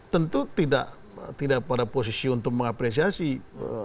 tentu tidak pada posisi untuk mengapresiasi langkah sebelumnya